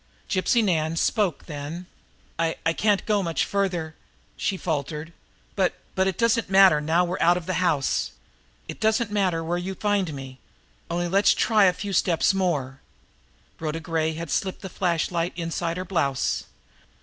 Gypsy Nan spoke then: "I I can't go much farther," she faltered. "But but it doesn't matter now we're out of the house it doesn't matter where you find me only let's try a few steps more." Rhoda Gray had slipped the flashlight inside her blouse.